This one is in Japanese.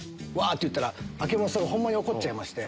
っていったら曙さんがホンマに怒っちゃいまして。